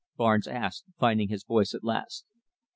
Barnes asked, finding his voice at last.